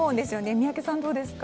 宮家さん、どうですか？